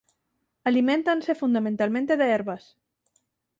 Aliméntanse fundamentalmente de herbas.